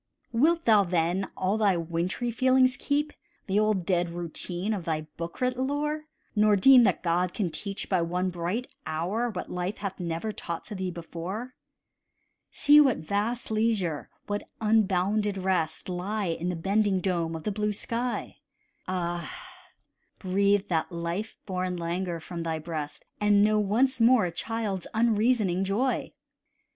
Wilt thou, then, all thy wintry feelings keep, The old dead routine of thy book writ lore, Nor deem that God can teach, by one bright hour, What life hath never taught to thee before? See what vast leisure, what unbounded rest, Lie in the bending dome of the blue sky: Ah! breathe that life born languor from thy breast, And know once more a child's unreasoning joy.